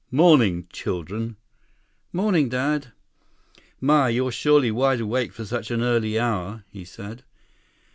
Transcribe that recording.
"Morning, children." "Morning, Dad." "My, you're surely wide awake for such an early hour!" he said.